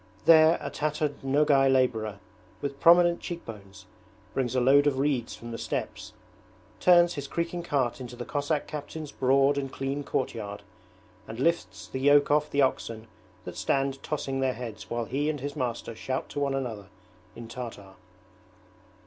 There a tattered Nogay labourer, with prominent cheekbones, brings a load of reeds from the steppes, turns his creaking cart into the Cossack captain's broad and clean courtyard, and lifts the yoke off the oxen that stand tossing their heads while he and his master shout to one another in Tartar.